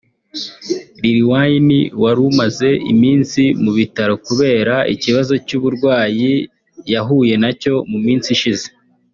Lil Wayne wari umaze iminsi mu bitaro kubera ikibazo cy’uburwayi yahuye nacyo mu minsi ishize